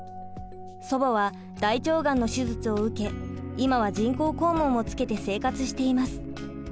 祖母は大腸がんの手術を受け今は人工肛門をつけて生活しています。